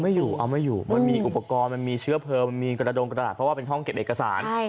อยู่เอาไม่อยู่มันมีอุปกรณ์มันมีเชื้อเพลิงมันมีกระดงกระดาษเพราะว่าเป็นห้องเก็บเอกสาร